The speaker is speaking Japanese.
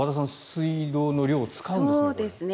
水道の量、使うんですね。